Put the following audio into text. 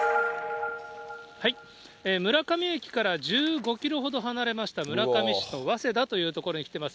村上駅から１５キロほど離れました、村上市のわせだという所に来てます。